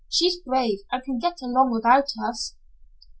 She's brave, and can get along without us."